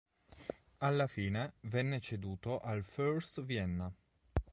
Alla fine venne ceduto al First Vienna.